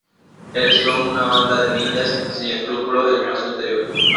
El son una banda de ninjas sin escrúpulos del espacio exterior.